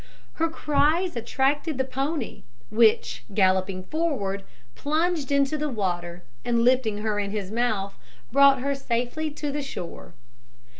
Her cries attracted the pony, which, galloping forward, plunged into the water, and lifting her in his mouth, brought her safely to the shore.